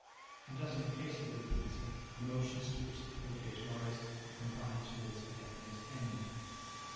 And as in the case of the repeater, the motions to which the cord gives rise are combined towards a definite end.